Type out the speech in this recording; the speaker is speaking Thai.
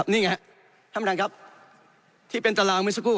นี่ไงท่านประธานครับที่เป็นตารางเมื่อสักครู่